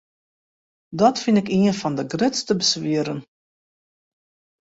Dat fyn ik ien fan de grutste beswieren.